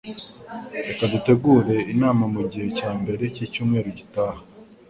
Reka dutegure inama mugihe cyambere cyicyumweru gitaha.